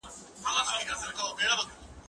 زه د کتابتون پاکوالی کړی دی،